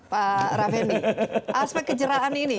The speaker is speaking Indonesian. pak raffendi aspek kejeraan ini